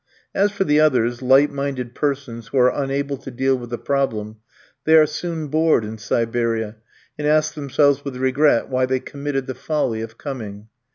As for the others, light minded persons who are unable to deal with the problem, they are soon bored in Siberia, and ask themselves with regret why they committed the folly of coming.